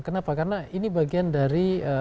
kenapa karena ini bagian dari